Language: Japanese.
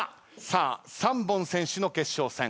さあ３本先取の決勝戦。